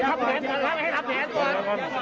เฮ้เภทัพแผน